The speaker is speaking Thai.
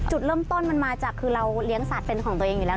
จุดเริ่มต้นมันมาจากคือเราเลี้ยงสัตว์เป็นของตัวเองอยู่แล้ว